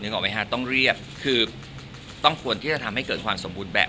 ออกไหมฮะต้องเรียกคือต้องควรที่จะทำให้เกิดความสมบูรณ์แบบ